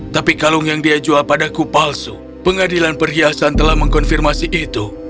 tapi kalung yang dia jual pada kupalsu pengadilan perhiasan telah mengkonfirmasi itu